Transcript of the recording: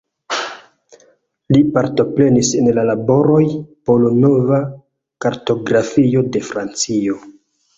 Li partoprenis en la laboroj por nova kartografio de Francio.